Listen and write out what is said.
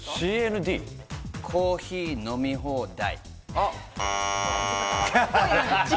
コーヒー飲み放題。